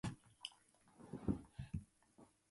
ジョージア州の州都はアトランタである